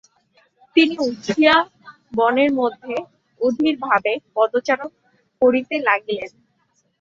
তিনি উঠিয়া বনের মধ্যে অধীর ভাবে পদচারণ করিতে লাগিলেন।